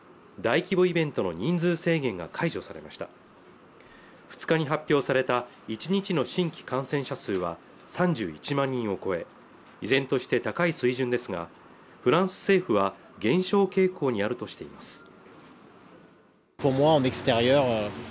大規模イベントの人数制限が解除されました２日に発表された１日の新規感染者数は３１万人を超え依然として高い水準ですがフランス政府は減少傾向にあるとしています